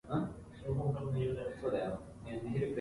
It is worth studying, whatever one's faith.